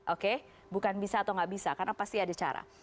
oke bukan bisa atau nggak bisa karena pasti ada cara